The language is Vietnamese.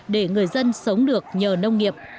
để người dân sống được nhờ nông nghiệp